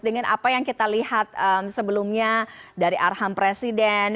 dengan apa yang kita lihat sebelumnya dari arham presiden